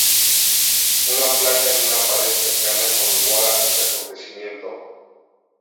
Una placa en una pared cercana conmemora este acontecimiento.